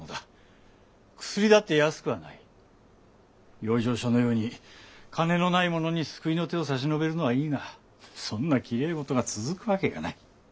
養生所のように金のない者に救いの手を差し伸べるのはいいがそんなきれい事が続くわけがない。